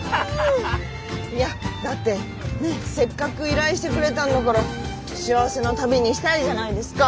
いやだってせっかく依頼してくれたんだから幸せな旅にしたいじゃないですか。